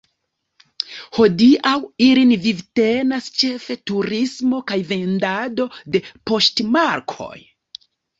Hodiaŭ ilin vivtenas ĉefe turismo kaj vendado de poŝtmarkoj.